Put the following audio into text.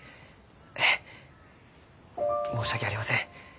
ええ申し訳ありません。